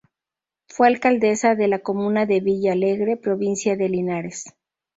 Fue alcaldesa de la comuna de Villa Alegre, provincia de Linares.